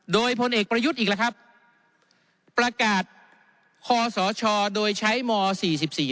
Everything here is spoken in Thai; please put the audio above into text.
โดยพลเอกประยุทธ์อีกแล้วครับประกาศคอสชโดยใช้มสี่สิบสี่